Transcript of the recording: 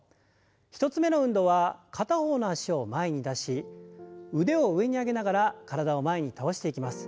１つ目の運動は片方の脚を前に出し腕を上に上げながら体を前に倒していきます。